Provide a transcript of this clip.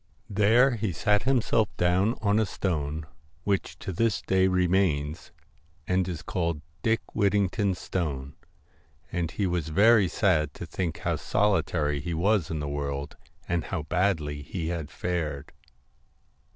There he sat himself down on a stone, which to this day remains, and is called * Dick Whittington's Stone,' l and he was very sad to think how solitary he was in the world, and how badly he had fared.